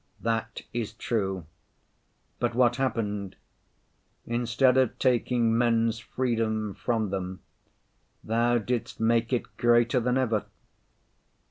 That is true. But what happened? Instead of taking men's freedom from them, Thou didst make it greater than ever!